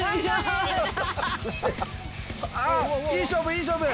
あっいい勝負いい勝負。